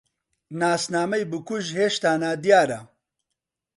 ناسنامەی بکوژ هێشتا نادیارە.